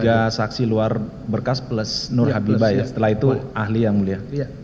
jadi tiga saksi luar berkas plus nur habibah ya setelah itu ahli yang mulia